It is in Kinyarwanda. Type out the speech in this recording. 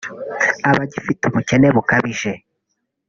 abagifite ubukene bukabije